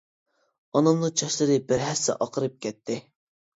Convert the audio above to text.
ئانامنىڭ چاچلىرى بىر ھەسسە ئاقىرىپ كەتتى.